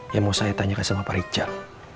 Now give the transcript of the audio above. yang mau saya tanyakan sama pak richard